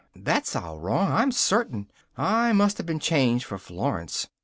that's all wrong, I'm certain! I must have been changed for Florence!